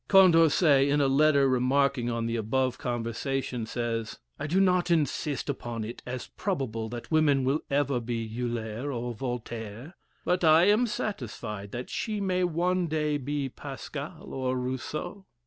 Condorcet, in a letter, remarking on the above conversation, says: "I do not insist upon it as probable that woman will ever be Euler or Voltaire; but I am satisfied that she may one day be Pascal or Rousseau."